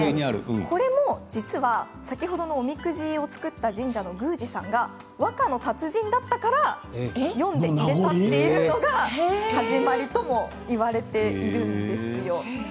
これも先ほどのおみくじを作った神社の宮司さんが和歌の達人だったから詠んで入れたということが始まりともいわれています。